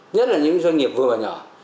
nhất là những doanh nghiệp vừa và nhỏ